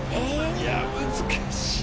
いや難しい。